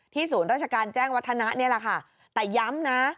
ศูนย์ราชการแจ้งวัฒนะนี่แหละค่ะแต่ย้ำนะ